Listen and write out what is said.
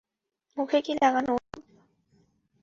মুখে কী লাগানো ওসব?